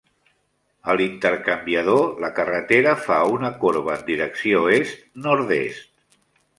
A l'intercanviador, la carretera fa una corba en direcció est, nord-est.